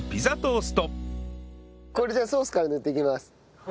これじゃあソースから塗っていきます。